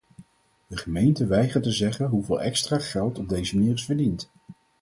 De gemeente weigert te zeggen hoeveel extra geld op deze manier is verdiend.